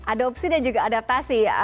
adopsi dan juga adaptasi